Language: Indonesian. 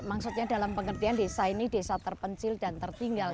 maksudnya dalam pengertian desa ini desa terpencil dan tertinggal